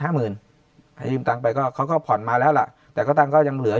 หมื่นให้ยืมตังค์ไปก็เขาก็ผ่อนมาแล้วล่ะแต่ก็ตังค์ก็ยังเหลือ